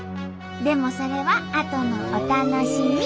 でもそれはあとのお楽しみ！